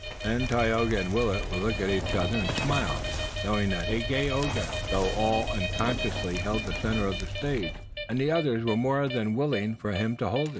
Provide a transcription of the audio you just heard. Then Tayoga and Willet would look at each other and smile, knowing that Dagaeoga, though all unconsciously, held the center of the stage, and the others were more than willing for him to hold it.